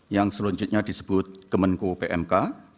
yang selanjutnya disebut kemenko pmk